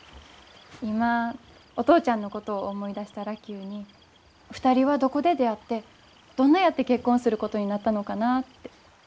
今お父ちゃんのことを思い出したら急に２人はどこで出会ってどんなやって結婚することになったのかなって。